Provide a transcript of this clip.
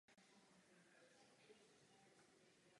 Toto musíme akceptovat.